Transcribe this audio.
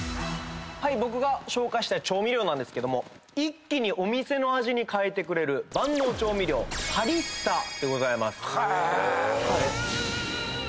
僕が紹介したい調味料なんですけども一気にお店の味に変えてくれる万能調味料ハリッサでございます。